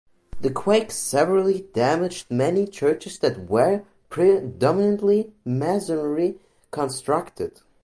The quake severely damaged many churches that were predominantly masonry constructed.